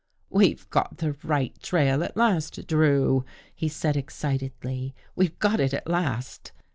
" WeVe got the right trail at last. Drew," he said excitedly. " We've got it at last."